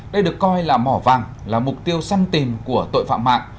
đây được coi là mỏ vàng là mục tiêu săn tìm của tội phạm mạng